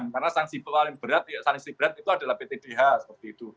karena sanksi paling berat itu adalah pt dh seperti itu